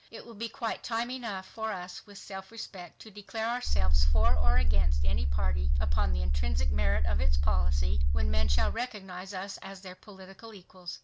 It will be quite time enough for us, with self respect, to declare ourselves for or against any party upon the intrinsic merit of its policy, when men shall recognize us as their political equals